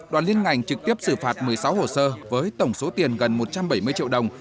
đoàn liên ngành trực tiếp xử phạt một mươi sáu hồ sơ với tổng số tiền gần một trăm bảy mươi triệu đồng